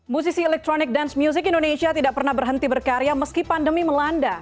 musisi electronic dance music indonesia tidak pernah berhenti berkarya meski pandemi melanda